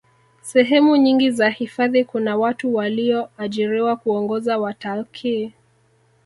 sehemu nyingi za hifadhi kuna watu waliyoajiriwa kuongoza watalkii